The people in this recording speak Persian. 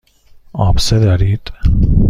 آبسه دارید.